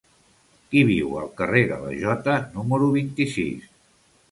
Qui viu al carrer de la Jota número vint-i-sis?